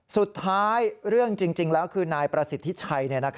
สุดท้ายเรื่องจริงแล้วคือนายประสิทธิชัย